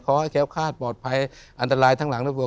ขอให้แค้วคาดปลอดภัยอันตรายทั้งหลังทั้งตัว